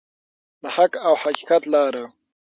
د حق او حقیقت لاره.